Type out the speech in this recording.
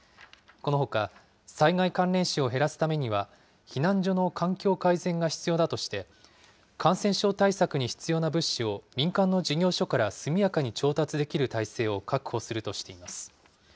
このほか、災害関連死を減らすためには、避難所の環境改善が必要だとして、感染症対策に必要な物資を民間の事業所から速やかに調達できる体制を確保するとしています。